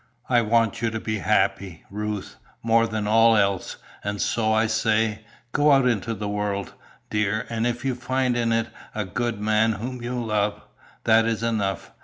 I want you to be happy, Ruth, more than all else, and so I say, go out into the world, dear, and if you find in it a good man whom you love, that is enough.